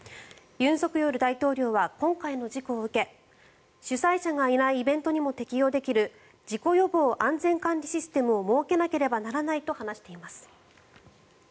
尹錫悦大統領は今回の事故を受け主催者がいないイベントにも適用できる事故予防安全管理システムを設けなければならないと話しています。